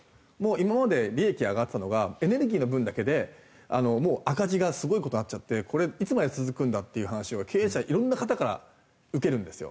今まで利益上がってたのがエネルギーの分だけでもう赤字がすごい事になっちゃってこれいつまで続くんだ？っていう話は経営者いろんな方から受けるんですよ。